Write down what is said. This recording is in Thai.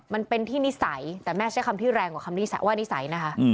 มันเป็นที่นิสัยแต่แม่ใช้คำที่แรงกว่านิสัยนะคะ